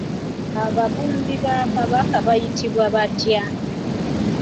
Ababumbi ba Kabaka bayitibwa batya?